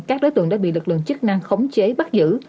các đối tượng đã bị lực lượng chức năng khống chế bắt giữ